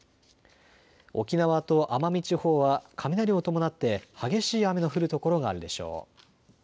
沖縄と奄美地方は雷を伴って激しい雨の降る所があるでしょう。